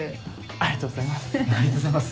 ありがとうございます。